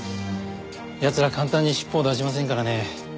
奴らは簡単に尻尾を出しませんからね。